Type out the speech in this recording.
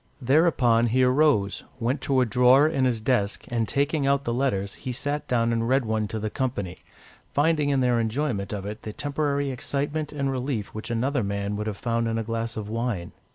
Thereupon he arose, went to a drawer in his desk, and taking out the letters, he sat down and read one to the company, finding in their enjoyment of it the temporary excitement and relief which another man would have found in a glass of wine.